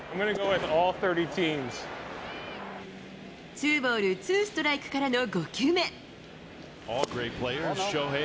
ツーボールツーストライクからの５球目。